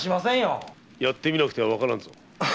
やってみなくてはわからんぞ。